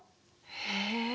へえ！